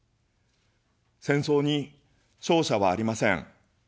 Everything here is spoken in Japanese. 戦争に勝者はありません。